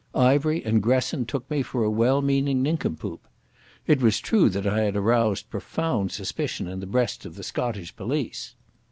Ivery and Gresson took me for a well meaning nincompoop. It was true that I had aroused profound suspicion in the breasts of the Scottish police.